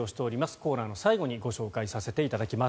コーナーの最後にご紹介させていただきます。